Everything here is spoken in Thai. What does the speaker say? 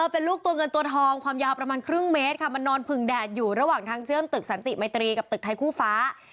เป็นลูกเงินตัวทองความยาวประมาณครึ่งเมตรค่ะ